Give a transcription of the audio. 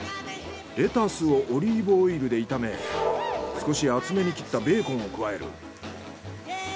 レタスをオリーブオイルで炒め少し厚めに切ったベーコンを加える。